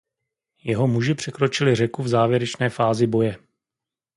Jeho muži překročili řeku v závěrečné fázi boje.